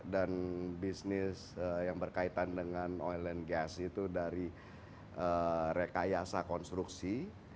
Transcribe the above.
dan bisnis yang berkaitan dengan oil and gas itu dari rekayasa konstruksi